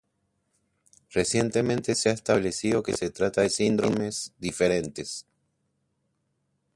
Recientemente se ha establecido que se trata de síndromes diferentes.